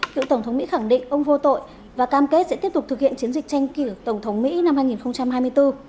cựu tổng thống mỹ khẳng định ông vô tội và cam kết sẽ tiếp tục thực hiện chiến dịch tranh cử tổng thống mỹ năm hai nghìn hai mươi bốn